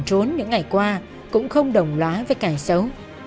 đừng trốn những ngày qua cũng không đồng loá với cải xấu